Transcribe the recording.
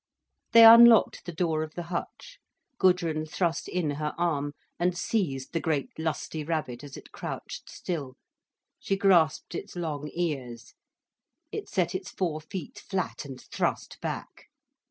They unlocked the door of the hutch. Gudrun thrust in her arm and seized the great, lusty rabbit as it crouched still, she grasped its long ears. It set its four feet flat, and thrust back.